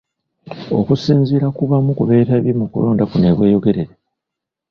Okusinziira ku bamu ku beetabye mu kulonda kuno e Bweyogerere.